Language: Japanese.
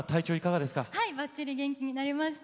ばっちり元気になりました。